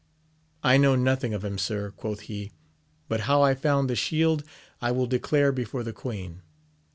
I know nothing of him, sir, quoth he, but how I found the shield I will declare before the queen.